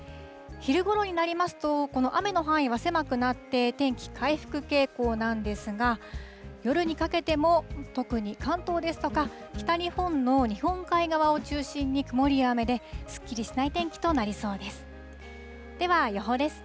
昼ごろになりますと、この雨の範囲は狭くなって、天気、回復傾向なんですが、夜にかけても、特に関東ですとか、北日本の日本海側を中心に、曇りや雨で、すっきりしない天気となりそうです。